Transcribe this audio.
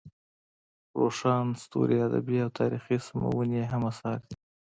روښان ستوري ادبي او تاریخي سمونې یې هم اثار دي.